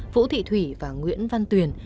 vũ thị thủy và nguyễn văn tuyền